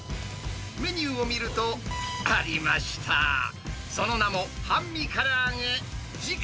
メニューを見ると、ありました、その名も半身からあげ。